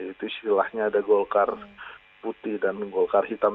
itu istilahnya ada golkar putih dan golkar hitam